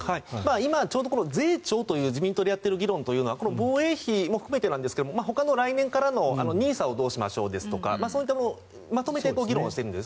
今、ちょうど税調という自民党でやっている議論は防衛費も含めてですがほかの来年からのＮＩＳＡをどうしましょうとかそういったものをまとめて議論しているんです。